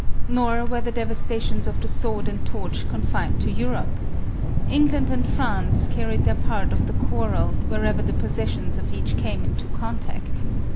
Nor were the devastations of the sword and torch confined to Europe. England and France carried their part of the quarrel \\ hcrever the possessions of each came into contact.